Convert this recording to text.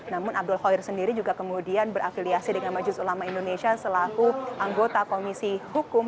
namun abdul khair sendiri juga kemudian berafiliasi dengan majlis ulama indonesia selaku anggota komisi hukum